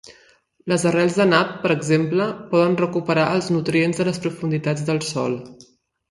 Les arrels de nap, per exemple, poden recuperar els nutrients de les profunditats del sòl.